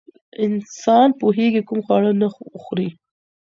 انسان پوهېږي کوم خواړه نه وخوري.